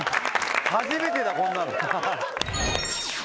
初めてだこんなの。